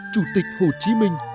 chủ tịch hồ chí minh